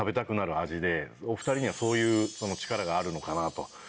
お２人にはそういう力があるのかなと。